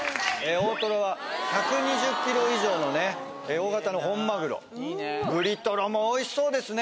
大とろは１２０ｋｇ以上のね大型の本マグロぶりとろもおいしそうですね